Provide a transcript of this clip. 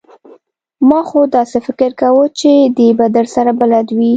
ما خو داسې فکر کاوه چې دی به درسره بلد وي!